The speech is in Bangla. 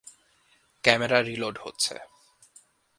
ক্যামেরা রিলোড হচ্ছে।